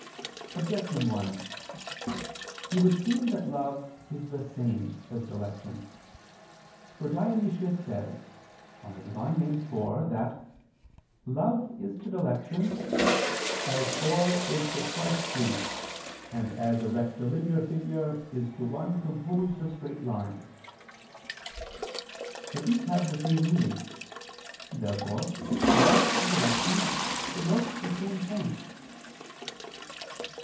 Objection 1: It would seem that love is the same as dilection. For Dionysius says (Div. Nom. iv) that love is to dilection, "as four is to twice two, and as a rectilinear figure is to one composed of straight lines." But these have the same meaning. Therefore love and dilection denote the same thing.